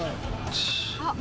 あっ！